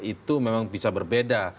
itu memang bisa berbeda